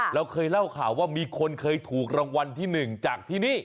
เราเคยเล่าข่าวว่ามีคนเคยถูกรางวัลที่๑จากที่นี่